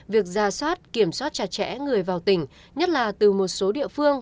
việc ra soát kiểm soát chặt chẽ người vào tỉnh nhất là từ một số địa phương